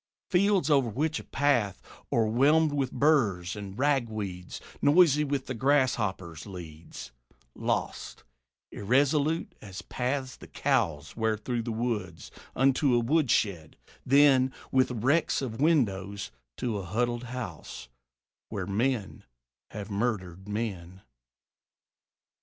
Fields over which a path, o'erwhelmed with burs And ragweeds, noisy with the grasshoppers, Leads, lost, irresolute as paths the cows Wear through the woods, unto a woodshed; then, With wrecks of windows, to a huddled house, Where men have murdered men.